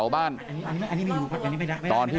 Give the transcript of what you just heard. มันดิ้น